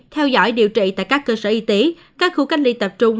theo dõi điều trị tại các cơ sở y tế các khu cách ly tập trung